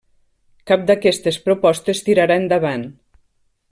Cap d'aquestes propostes tirarà endavant.